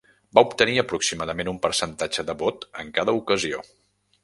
Va obtenir aproximadament un percentatge del vot en cada ocasió.